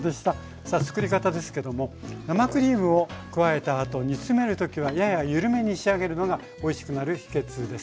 さあつくり方ですけども生クリームを加えたあと煮詰める時はややゆるめに仕上げるのがおいしくなる秘けつです。